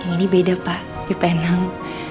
yang ini beda pak di penang